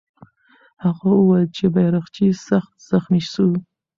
هغه وویل چې بیرغچی سخت زخمي سو.